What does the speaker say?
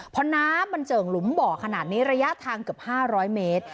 พอน้ำมันเจิ่งหลุมบ่อขนาดนี้ระยะทางเกือบ๕๐๐เมตร